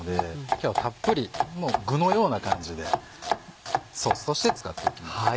今日はたっぷり具のような感じでソースとして使っていきます。